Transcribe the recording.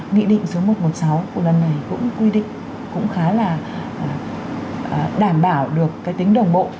nghị định số một trăm một mươi sáu của lần này cũng quy định cũng khá là đảm bảo được cái tính đồng bộ